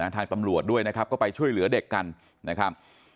ทางตำรวจด้วยนะครับก็ไปช่วยเหลือเด็กกันนะครับ